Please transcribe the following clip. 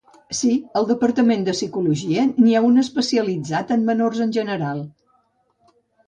Sí, al departament de psicologia n'hi ha un especialitzat en menors en general.